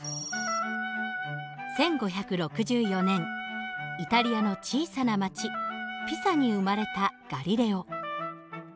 １５６４年イタリアの小さな町ピサに生まれたガリレオ。